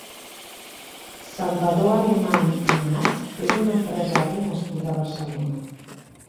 Salvador Alemany i Mas és un empresari nascut a Barcelona.